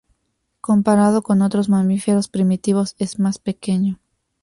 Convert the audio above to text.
Comparado con otros mamíferos primitivos, es más pequeño.